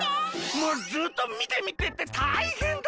もうずっと「みてみて」ってたいへんだったよ。